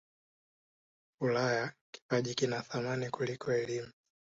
ulaya kipaji kina thamani kuliko elimu